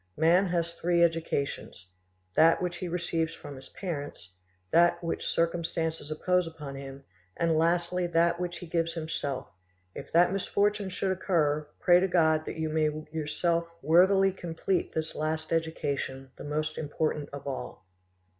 Man has three educations: that which he receives from his parents, that which circumstances impose upon him, and lastly that which he gives himself; if that misfortune should occur, pray to God that you may yourself worthily complete that last education, the most important of all.